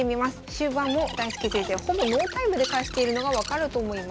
終盤も大介先生はほぼノータイムで指しているのが分かると思います。